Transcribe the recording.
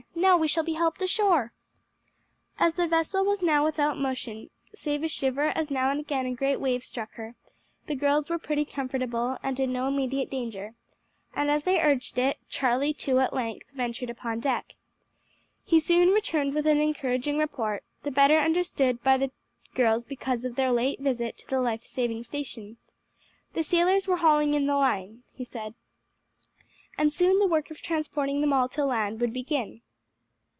Now we shall be helped ashore!" As the vessel was now without motion, save a shiver as now and again a great wave struck her, the girls were pretty comfortable and in no immediate danger, and as they urged it, Charlie, too, at length ventured upon deck. He soon returned with an encouraging report, the better understood by the girls because of their late visit to the life saving station. "The sailors were hauling in the line," he said, and soon the work of transporting them all to land would begin.